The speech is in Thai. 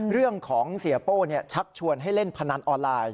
เรื่องของเสียโป้ชักชวนให้เล่นพนันออนไลน์